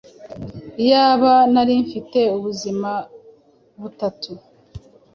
Iyaba narimfite ubuzima butatu,